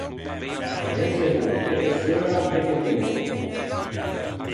No ëse bon né pe seua, né pe tomæa.